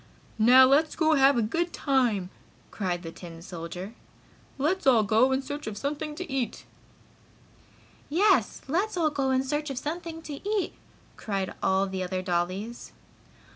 "Now let's have a good time!" cried the tin soldier. "Let's all go in search of something to eat!" "Yes! Let's all go in search of something to eat!" cried all the other dollies.